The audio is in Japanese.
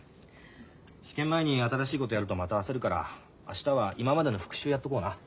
試験前に新しいことやるとまた焦るから明日は今までの復習やっとこうな。